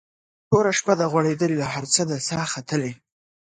توره شپه ده غوړېدلې له هر څه ده ساه ختلې